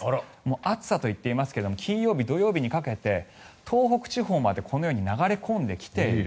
暑さといっていますけど金曜日、土曜日にかけて東北地方にこのように流れ込んできている。